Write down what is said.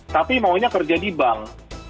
tapi maunya kerja di bank